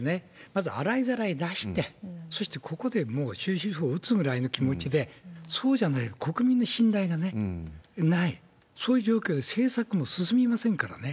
まず洗いざらい出して、そしてここでもう、終止符を打つぐらいの気持ちで、そうじゃないと国民の信頼がない、そういう状況では政策も進みませんからね。